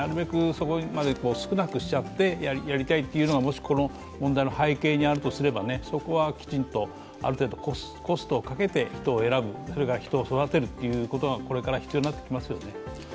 そこを少なくしてやりたいというのがこの問題の根底あるとすれば、そこはきちんとある程度コストをかけて人を選ぶそれから人を育てるってことがこれから必要になってきますよね。